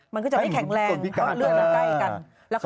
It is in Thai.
มันก็จะไม่แข็งแรงเพราะเลือดมันใกล้กัน